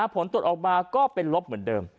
ผลตรวจออกมาก็เป็นลบเหมือนเดิม